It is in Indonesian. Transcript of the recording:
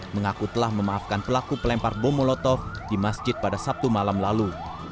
mengaku telah memaafkan pelaku pelempar bom molotov di masjid pada sabtu malam lalu